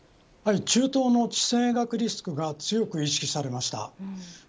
中東の地政学リスクが強く意識されました。